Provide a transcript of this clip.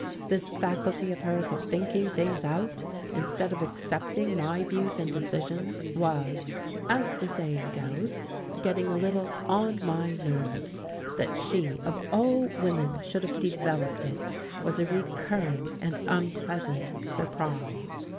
This faculty of hers of thinking things out instead of accepting my views and decisions was, as the saying goes, getting a little "on my nerves": that she of all women should have developed it was a recurring and unpleasant surprise.